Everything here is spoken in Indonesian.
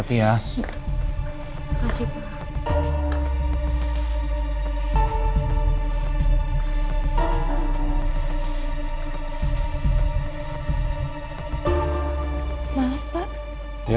terima kasih pak